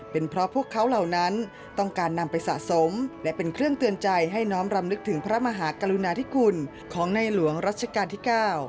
เป็นเพราะพวกเขาเหล่านั้นต้องการนำไปสะสมและเป็นเครื่องเตือนใจให้น้อมรำลึกถึงพระมหากรุณาธิคุณของในหลวงรัชกาลที่๙